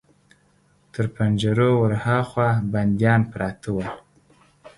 تر پنجرو ور هاخوا بنديان پراته ول.